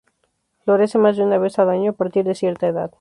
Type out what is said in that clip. Florece más de una vez al año a partir de cierta edad.